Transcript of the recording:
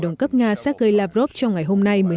đồng cấp nga sergei lavrov trong ngày hôm nay